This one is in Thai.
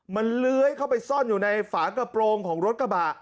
มันเลื้อยเข้าไปซ่อนอยู่ในฝากระโปรงของรถกระบะ